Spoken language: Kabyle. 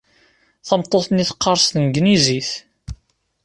Tameṭṭut-nni teqqar s tanglizit.